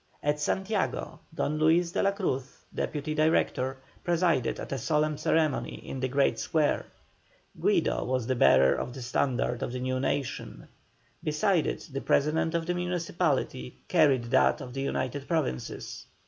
At Santiago, Don Luis de la Cruz, Deputy Director, presided at a solemn ceremony in the great square. Guido was the bearer of the standard of the new Nation; beside it the President of the Municipality carried that of the United Provinces.